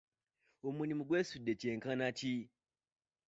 Omulimu gwesudde kyenkana ki?